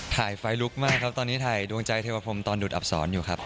ถ่ายไฟลุกมากครับตอนนี้ถ่ายดวงใจเทวพรมตอนดูดอักษรอยู่ครับ